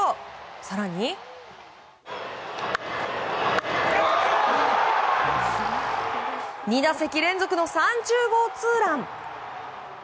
更に２打席連続の３０号ツーラン。